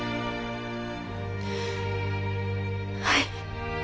はい。